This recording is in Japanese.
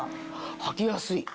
履きやすい！